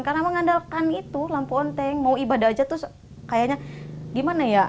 karena mengandalkan itu lampu on mau ibadah aja terus kayaknya gimana ya